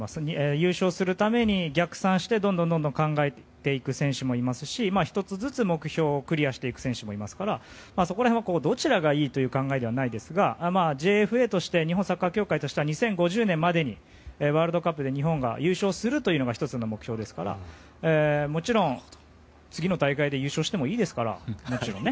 優勝するために逆算してどんどん考えていく選手もいますし１つずつ目標をクリアしていく選手もいますからそこら辺はどちらがいいという考えではないですがＪＦＡ・日本サッカー協会としては２０５０年ワールドカップまでにワールドカップで日本が優勝するというのが１つの目標ですからもちろん、次の大会で優勝してもいいですから。